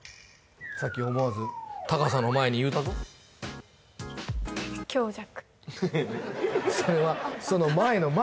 さっき思わず高さの前に言うたぞ音色